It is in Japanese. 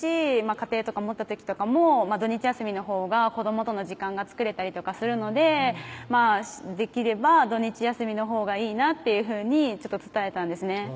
家庭とか持った時とかも土日休みのほうが子どもとの時間が作れたりとかするので「できれば土日休みのほうがいいな」っていうふうに伝えたんですね